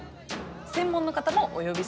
専門の方もお呼びしました。